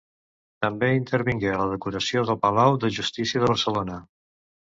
També intervingué a la decoració del Palau de Justícia de Barcelona.